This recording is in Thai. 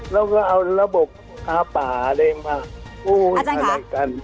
แล้วก็เอาระบบข้าวป่าอะไรกัน